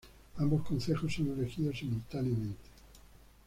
Ambos concejos son elegidos simultáneamente.